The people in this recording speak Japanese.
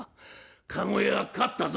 駕籠屋勝ったぞ」。